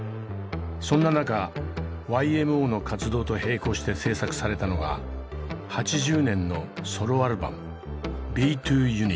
そんな中ＹＭＯの活動と並行して制作されたのが８０年のソロアルバム「Ｂ−２ＵＮＩＴ」です。